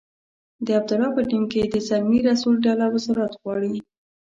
د عبدالله په ټیم کې د زلمي رسول ډله وزارت غواړي.